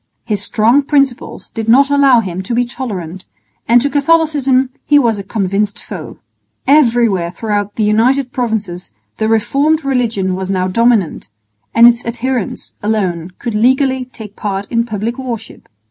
His strong principles did not allow him to be tolerant, and to Catholicism he was a convinced foe. Everywhere throughout the United Provinces the reformed religion was now dominant, and its adherents alone could legally take part in public worship.